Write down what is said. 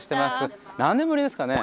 何年ぶりですかね？